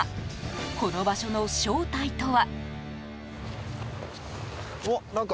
この場所の正体とは。